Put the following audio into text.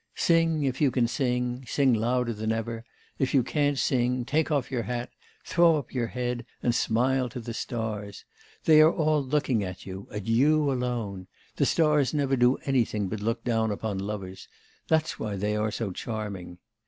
Sing, if you can sing, sing louder than ever; if you can't sing, take off your hat, throw up your head, and smile to the stars. They are all looking at you, at you alone; the stars never do anything but look down upon lovers that's why they are so charming.